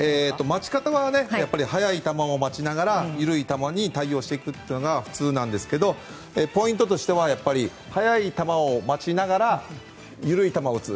待ち方は速い球を待ちながら緩い球に対応していくというのが普通なんですけどポイントとしては速い球を待ちながら緩い球を打つ。